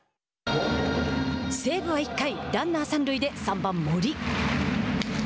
西武は１回ランナー三塁で３番森。